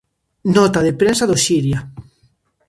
Nota de prensa do Xiria.